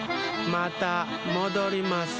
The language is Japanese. またもどります。